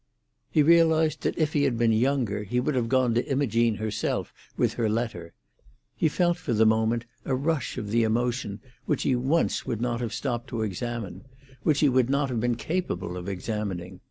He realised that if he had been younger he would have gone to Imogene herself with her letter. He felt for the moment a rush of the emotion which he would once not have stopped to examine, which he would not have been capable of examining.